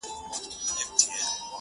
یو بل پکتیاوال راپیدا سو